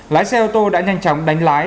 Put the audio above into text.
lái xe ô tô đã nhanh chóng đánh lái